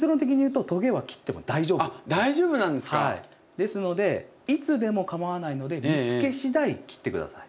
ですのでいつでもかまわないので見つけしだい切って下さい。